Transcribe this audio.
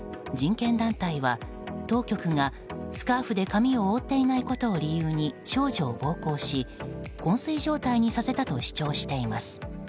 人権団体は、当局がスカーフで顔を覆っていないことを理由に少女を暴行し昏睡状態にさせたと主張しています。